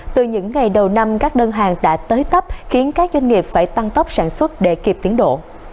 từ những ngày đầu năm các đơn hàng đã tới tấp khiến các doanh nghiệp phải tăng tốc sản xuất để kịp tiến độ